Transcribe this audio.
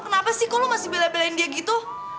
kenapa sih kok lo masih bela belain dia gitu